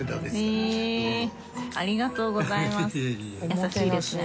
優しいですね。